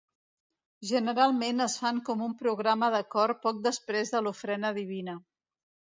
Generalment es fan com un programa de cor poc després de l'ofrena divina.